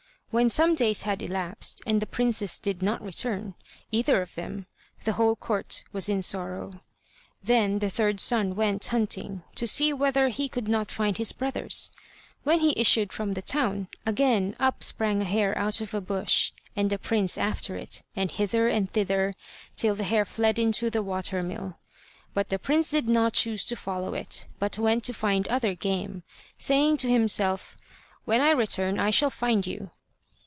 When some days had elapsed and the princes did not return, either of them, the whole court was in sorrow. Then the third son went hunting, to see whether he could not find his brothers. When he issued from the town, again up sprang a hare out of a bush, and the prince after it, and hither and thither, till the hare fled into the water mill. But the prince did not choose to follow it, but went to find other game, saying to himself: "When I return I shall find you."